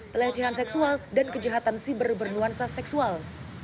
pelecehan seksual dan kejahatan siber bernuansa seksual